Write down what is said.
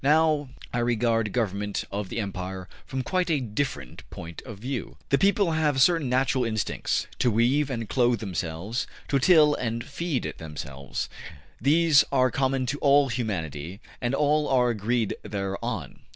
Now I regard government of the empire from quite a different point of view. The people have certain natural instincts: to weave and clothe themselves, to till and feed themselves. These are common to all humanity, and all are agreed thereon.